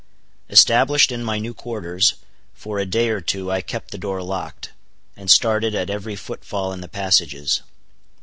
Established in my new quarters, for a day or two I kept the door locked, and started at every footfall in the passages.